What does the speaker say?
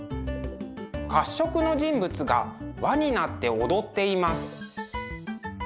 褐色の人物が輪になって踊っています。